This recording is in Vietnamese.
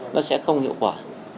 nó sẽ không hiệu quả